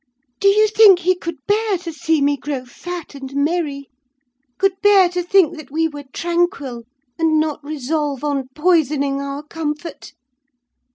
Do you think he could bear to see me grow fat and merry—could bear to think that we were tranquil, and not resolve on poisoning our comfort?